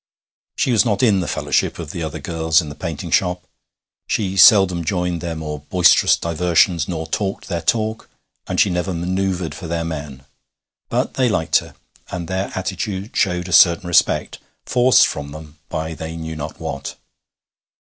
She was not in the fellowship of the other girls in the painting shop. She seldom joined their more boisterous diversions, nor talked their talk, and she never manoeuvred for their men. But they liked her, and their attitude showed a certain respect, forced from them by they knew not what.